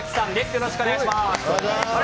よろしくお願いします。